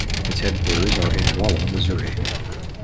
Its headquarters are in Rolla, Missouri.